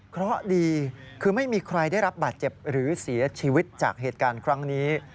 เพราะดีคือไม่มีใครได้รับบาดเจ็บหรือเสียชีวิตจากเหตุการณ์ครั้งนี้